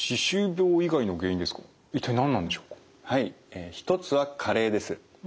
え一つは加齢です。